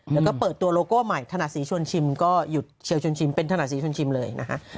แล้วก็เปิดตัวโลโก้ใหม่ธนาศรีชวนชิมก็หยุดเชียวชวนชิมเป็นธนาศรีชวนชิมเลยนะฮะ